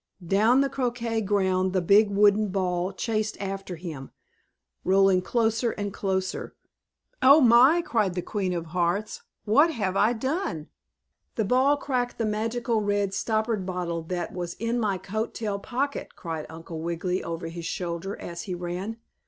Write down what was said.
Down the croquet ground the big wooden ball chased after him, rolling closer and closer. "Oh, my!" cried the Queen of Hearts, "What have I done?" "The ball cracked the magical red stoppered bottle that was in my coat tail pocket!" cried Uncle Wiggily over his shoulder, as he ran.